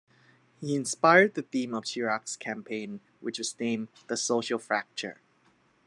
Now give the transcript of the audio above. He inspired the theme of Chirac's campaign which was named "the social fracture".